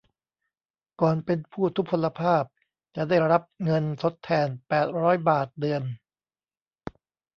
ก่อนเป็นผู้ทุพพลภาพ จะได้รับเงินทดแทน แปดร้อย บาทเดือน